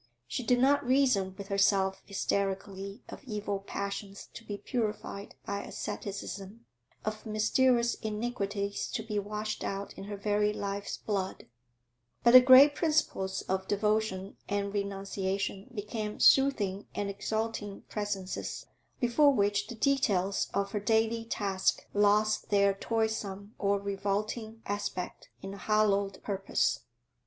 She did not reason with herself hysterically of evil passions to be purified by asceticism, of mysterious iniquities to be washed out in her very life's blood; but the great principles of devotion and renunciation became soothing and exalting presences, before which the details of her daily task lost their toilsome or revolting aspect in a hallowed purpose.